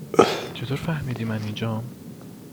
چطور فهمیدی من اینجام؟